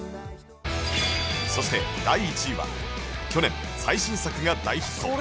そして第１位は去年最新作が大ヒット